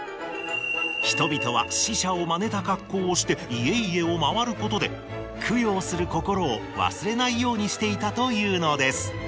人々は死者をまねた格好をして家々をまわることで供養する心を忘れないようにしていたというのです。